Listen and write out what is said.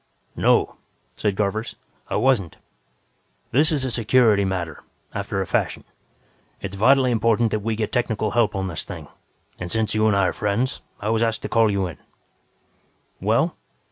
"No," said Garvers, "I wasn't. This is a security matter, after a fashion. It's vitally important that we get technical help on this thing, and since you and I are friends, I was asked to call you in." "Well?"